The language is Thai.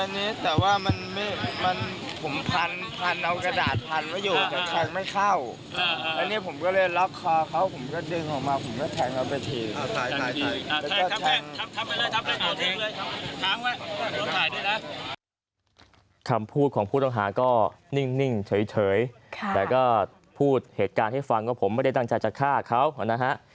และก็พูดเหตุการณ์ให้ฟังก็ผมไม่ได้ตั้งใจจะฆ่าเขานะฮะ